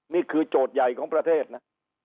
นี่คือโจทย์ใหญ่ของประเทศนะ